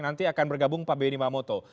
nanti akan bergabung pak benny mamoto